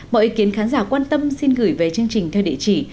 mọi ý kiến khán giả quan tâm xin gửi về chương trình theo địa chỉ